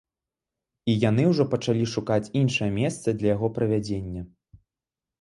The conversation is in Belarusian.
І яны ўжо пачалі шукаць іншае месца для яго правядзення.